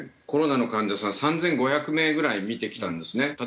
コロナの患者さん３５００名ぐらい診てきたんですね。